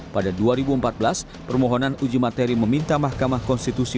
pada dua ribu empat belas permohonan uji materi meminta mahkamah konstitusi